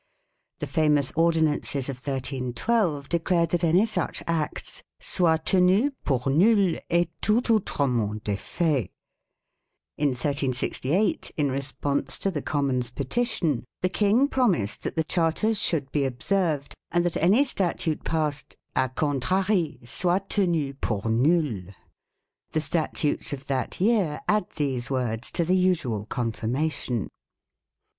The famous ordinances of 1312 de clared that any such acts " soit tenuz pur nul, e tout outrement defait "^ In 1368, in response to the Commons' petition, the King promised that the charters should be observed and that any statute passed " a contrarie soit tenu pur nul ". 2 The statutes of that year add these words to the usual confirmation.